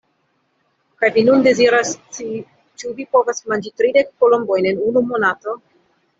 Kaj vi nun deziras scii ĉu vi povas manĝi tridek kolombojn en unu monato?